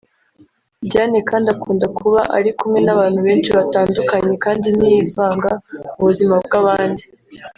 Diane kandi akunda kuba ari kumwe n’abantu benshi batandukanye kandi ntiyivanga mu buzima bw’abandi